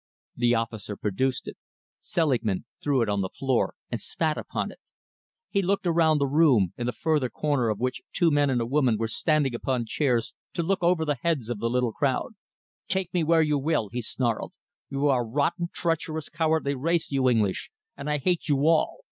The officer produced it. Selingman threw it on the floor and spat upon it. He looked around the room, in the further corner of which two men and a woman were standing upon chairs to look over the heads of the little crowd. "Take me where you will," he snarled. "You are a rotten, treacherous, cowardly race, you English, and I hate you all.